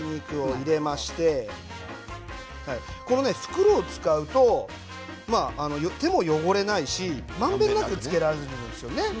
入れまして袋を使うと手も汚れないしまんべんなくつけられるんですよね。